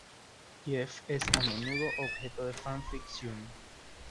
Jeff es a menudo objeto de fanfiction.